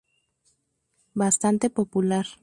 Bastante popular.